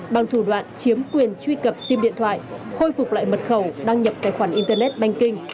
bằng thủ đoạn chiếm quyền truy cập sim điện thoại khôi phục lại mật khẩu đăng nhập tài khoản internet banking